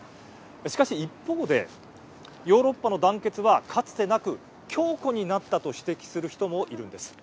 しかし一方でヨーロッパの団結はかつてなく強固になったと指摘する人もいるんです。